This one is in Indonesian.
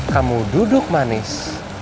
kamu duduk manis